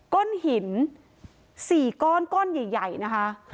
ก้อนหิน๔ก้อนก้อนใหญ่นะคะ